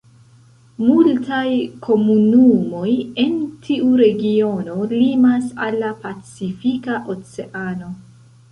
Multaj komunumoj en tiu regiono limas al la pacifika oceano.